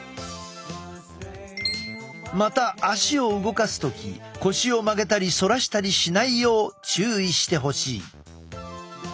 また足を動かす時腰を曲げたり反らしたりしないよう注意してほしい。